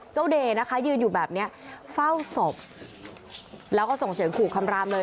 เดย์นะคะยืนอยู่แบบเนี้ยเฝ้าศพแล้วก็ส่งเสียงขู่คำรามเลย